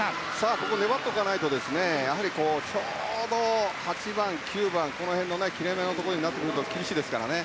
ここで粘っておかないとちょうど８番、９番この辺の切れ目のところになってくると厳しいですからね。